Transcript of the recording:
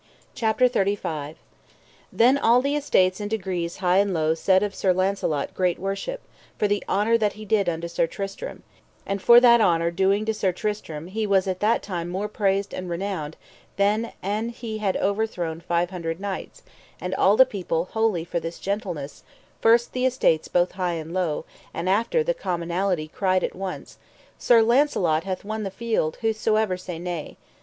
CHAPTER XXXIV. How the prize of the third day was given to Sir Launcelot, and Sir Launcelot gave it to Sir Tristram. Then all the estates and degrees high and low said of Sir Launcelot great worship, for the honour that he did unto Sir Tristram; and for that honour doing to Sir Tristram he was at that time more praised and renowned than an he had overthrown five hundred knights; and all the people wholly for this gentleness, first the estates both high and low, and after the commonalty cried at once: Sir Launcelot hath won the field whosoever say nay.